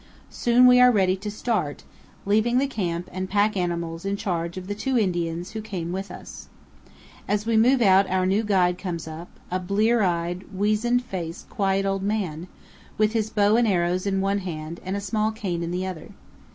Soon we are ready to start, leaving the camp and pack animals in charge of the two Indians who came with us. As we move out our new guide comes up, a blear eyed, weazen faced, quiet old man, with his bow and arrows in one hand and a small cane in the other.